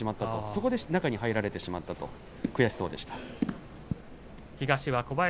そこで中に入られたと話していました、悔しそうでした。